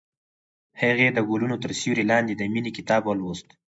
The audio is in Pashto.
هغې د ګلونه تر سیوري لاندې د مینې کتاب ولوست.